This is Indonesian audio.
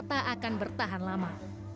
tak akan bertahan lama